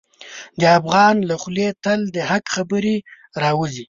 د افغان له خولې تل د حق خبره راوځي.